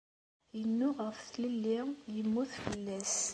Yennuɣ ɣef tlelli, yemmut fell-as.